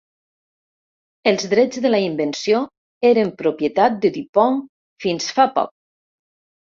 Els drets de la invenció eren propietat de DuPont fins fa poc.